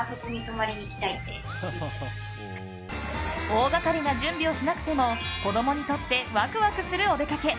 大がかりな準備をしなくても子供にとってワクワクするお出かけ。